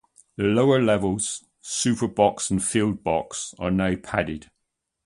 The lower levels, Super Box and Field Box, are now padded.